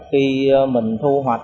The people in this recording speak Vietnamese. khi mình thu nổi